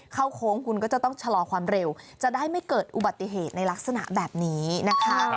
โค้งคุณก็จะต้องชะลอความเร็วจะได้ไม่เกิดอุบัติเหตุในลักษณะแบบนี้นะคะ